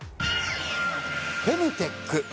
フェムテック。